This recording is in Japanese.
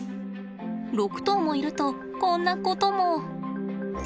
６頭もいるとこんなことも。